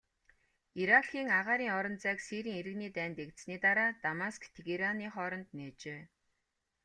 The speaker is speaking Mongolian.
Иракийн агаарын орон зайг Сирийн иргэний дайн дэгдсэний дараа Дамаск-Тегераны хооронд нээжээ.